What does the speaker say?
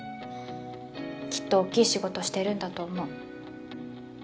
きっと大きい仕事してるんだと思う。